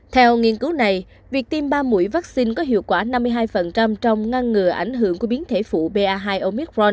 theo nghiên cứu này việc tiêm ba mũi vaccine có hiệu quả năm mươi hai trong ngăn ngừa ảnh hưởng của biến thể phụ ba hai oicron